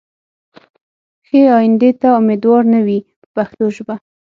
ښې ایندې ته امیدوار نه وي په پښتو ژبه.